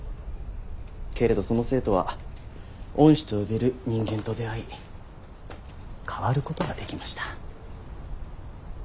けれどその生徒は恩師と呼べる人間と出会い変わることができました。